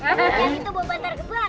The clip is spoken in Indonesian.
yang itu bau bantar gebang